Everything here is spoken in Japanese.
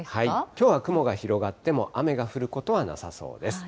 きょうは雲が広がっても、雨が降ることはなさそうです。